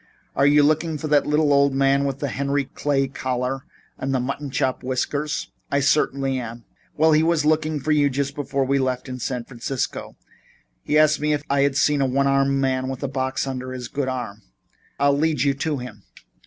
"Are you looking for that little old man with the Henry Clay collar and the white mutton chop whiskers?" "I certainly am." "Well, he was looking for you just before we left San Francisco. He asked me if I had seen a one armed man with a box under his good arm. I'll lead you to him."